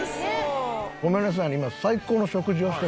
ごめんなさいね